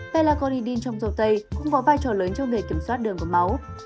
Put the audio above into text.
pelagonidin trong dâu tây cũng có vai trò lớn trong việc kiểm soát đường của máu